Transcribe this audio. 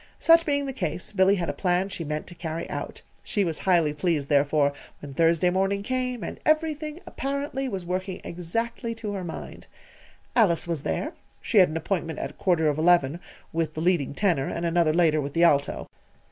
Such being the case, Billy had a plan she meant to carry out. She was highly pleased, therefore, when Thursday morning came, and everything, apparently, was working exactly to her mind. Alice was there. She had an appointment at quarter of eleven with the leading tenor, and another later with the alto.